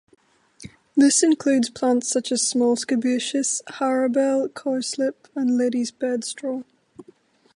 This includes plants such as Small Scabious, Harebell, Cowslip and Lady's Bedstraw.